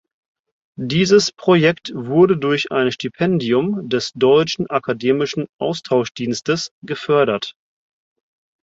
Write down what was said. Dieses Projekt wurde durch ein Stipendium des Deutschen Akademischen Austauschdienstes gefördert.